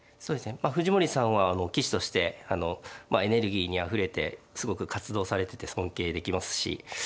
まあ藤森さんは棋士としてエネルギーにあふれてすごく活動されてて尊敬できますしえ